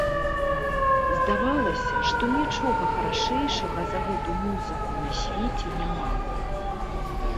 Здавалася, што нічога харашэйшага за гэту музыку на свеце няма.